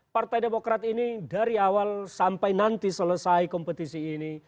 partai demokrat ini dari awal sampai nanti selesai kompetisi ini